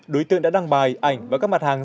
đối tượng đã đăng bài ảnh và các mặt hàng